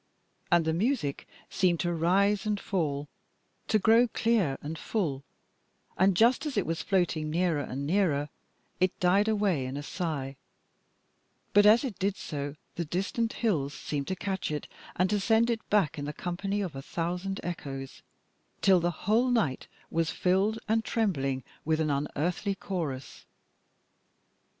And the music seemed to rise and fall, to grow clear and full, and just as it was floating nearer and nearer, it died away in a sigh: but as it did so the distant hills seemed to catch it and to send it back in the company of a thousand echoes, till the whole night was filled and trembling with an unearthly chorus.